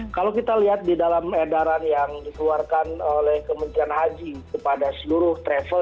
kalau kita lihat di dalam edaran yang dikeluarkan oleh kementerian haji kepada seluruh travel